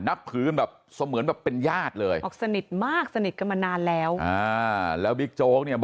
นับผือแบบเสมือนแบบเป็นญาติเลย